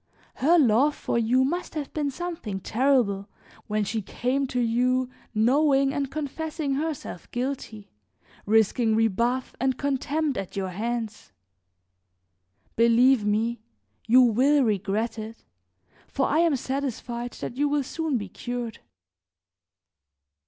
Her love for you must have been something terrible when she came to you knowing and confessing herself guilty, risking rebuff and contempt at your hands. Believe me, you will regret it, for I am satisfied that you will soon be cured."